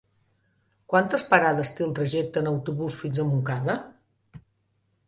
Quantes parades té el trajecte en autobús fins a Montcada?